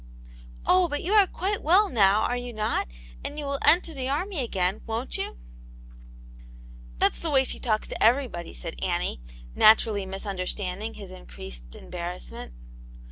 '*0h, but you are quite well now, are you not, and you will enter the army again, won't you ?"That's the way she talks to everybody/* said Annie, naturally misunderstanding his increased embarrassment.